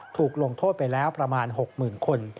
ถูกลงโทษไปแล้วประมาณ๖๐๐๐คน